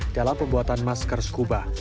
dalam pembuatan masker scuba